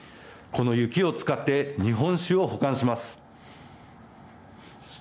この雪を使って日本酒を保存します。